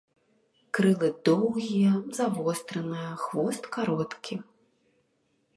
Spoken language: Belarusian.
Крылы доўгія, завостраныя, хвост кароткі.